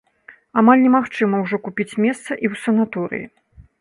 Амаль немагчыма ўжо купіць месца і ў санаторыі.